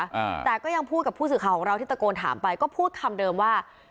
อ่าแต่ก็ยังพูดกับผู้สื่อข่าวของเราที่ตะโกนถามไปก็พูดคำเดิมว่า